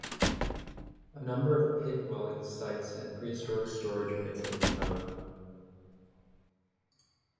A number of pit dwellings sites and prehistoric storage pits have been found.